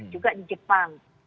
juga di jepang